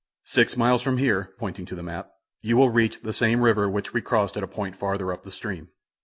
"Six miles from here," pointing to the map, "you will reach the same river which we crossed at a point farther up the stream.